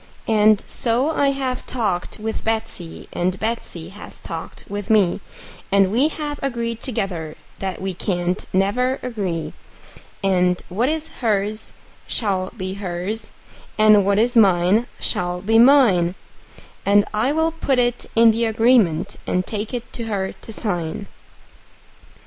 And so I have talked with Betsey, and Betsey has talked with me, And we have agreed together that we can't never agree; And what is hers shall be hers, and what is mine shall be mine; And I'll put it in the agreement, and take it to her to sign.